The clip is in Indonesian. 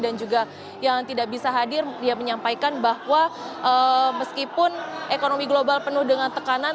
dan juga yang tidak bisa hadir dia menyampaikan bahwa meskipun ekonomi global penuh dengan tekanan